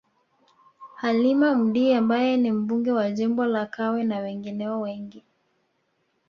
Halima Mdee ambaye ni Mbunge wa jimbo la Kawe na wengineo wengi